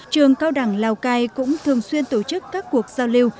trường cao đẳng lào cai cũng thường xuyên tổ chức các cuộc giao lưu